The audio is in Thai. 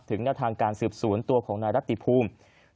แนวทางการสืบสวนตัวของนายรัติภูมิ